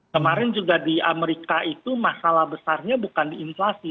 kemarin juga di amerika itu masalah besarnya bukan di inflasi